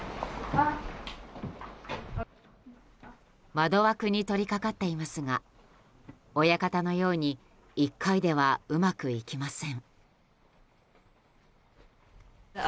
窓枠に取り掛かっていますが親方のように１回ではうまくいきません。